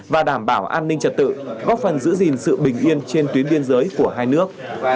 và đảm bảo an ninh trật tự góp phần giữ gìn sự bình yên trên tuyến biên giới của hai nước